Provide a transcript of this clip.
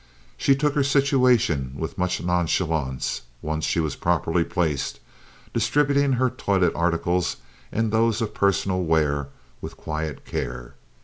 She took her situation with much nonchalance, once she was properly placed, distributing her toilet articles and those of personal wear with quiet care.